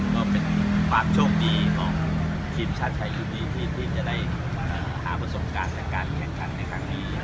ก็เป็นความโชคดีของทีมชาติไทยชุดนี้ที่จะได้หาประสบการณ์ในการแข่งขันในครั้งนี้